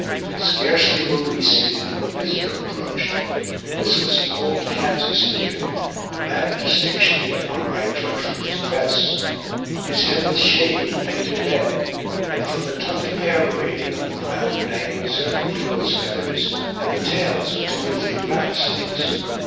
Scarcely were we seated when a visitor approached. This was an old Kansas Indian; a man of distinction, if one might judge from his dress. His head was shaved and painted red, and from the tuft of hair remaining on the crown dangled several eagles' feathers, and the tails of two or three rattlesnakes.